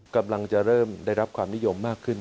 กำลังจะเริ่มได้รับความนิยมมากขึ้น